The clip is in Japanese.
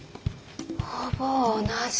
ほぼ同じ。